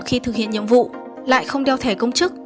khi thực hiện nhiệm vụ lại không đeo thẻ công chức